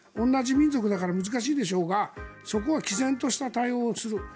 同じ民族だから難しいでしょうがそこはきぜんとした対応をする。